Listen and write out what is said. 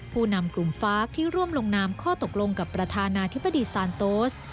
ผู้นำกลุ่มฟ้าที่ร่วมลงนามข้อตกลงกับประธานาธิบดีซานโตส